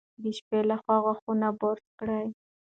د شپې لخوا غاښونه برس کړئ.